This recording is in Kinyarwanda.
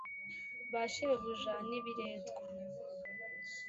Ba shebuja n ibiretwa